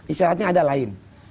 istilahnya ada lain